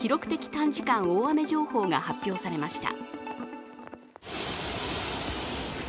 短時間大雨情報が発表されました。